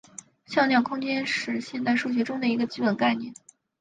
向量空间是现代数学中的一个基本概念。